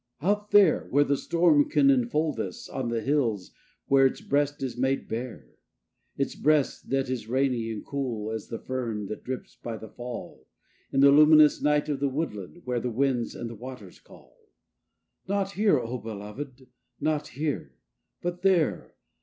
Out there where the storm can enfold us, on the hills, where its breast is made bare: Its breast, that is rainy and cool as the fern that drips by the fall In the luminous night of the woodland where winds to the waters call. Not here, O belovéd! not here! but there!